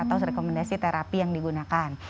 atau rekomendasi terapi yang digunakan